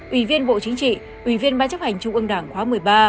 ủy viên bộ chính trị ủy viên ban chấp hành trung ương đảng khóa một mươi ba